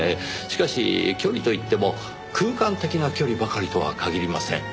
しかし距離といっても空間的な距離ばかりとは限りません。